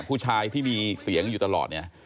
ผู้ชายที่มีเสียงอยู่ตลอดเนี่ย